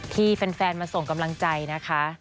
ที่แฟนมาส่งกำลังใจนะคะ